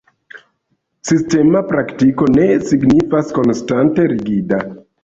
Sistema praktiko ne signifas konstante rigida.